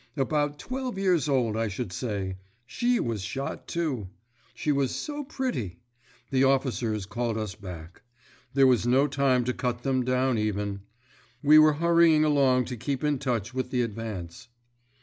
About twelve years old, I should say. She was shot, too. She was so pretty.... The officers called us back. There was no time to cut them down, even; we were hurrying along to keep in touch with the advance.